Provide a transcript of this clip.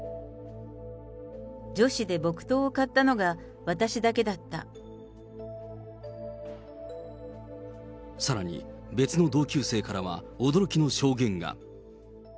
女子で木刀を買ったのが、私だけさらに、別の同級生からは驚きの証言が。